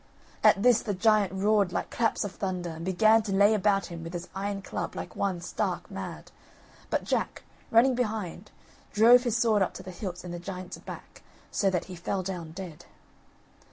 At this, the giant roared like claps of thunder, and began to lay about him with his iron club like one stark mad. But Jack, running behind, drove his sword up to the hilt in the giant's back, so that he fell down dead.